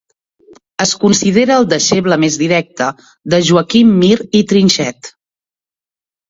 Es considera el deixeble més directe de Joaquim Mir i Trinxet.